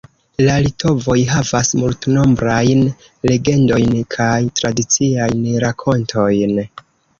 La litovoj havas multnombrajn legendojn kaj tradiciajn rakontojn.